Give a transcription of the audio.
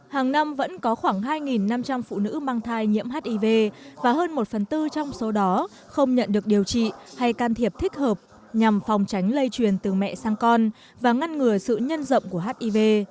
hàng năm vẫn có khoảng hai năm trăm linh phụ nữ mang thai nhiễm hiv và hơn một phần tư trong số đó không nhận được điều trị hay can thiệp thích hợp nhằm phòng tránh lây truyền từ mẹ sang con và ngăn ngừa sự nhân rộng của hiv